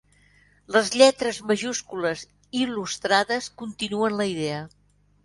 Les lletres majúscules il·lustrades continuen la idea.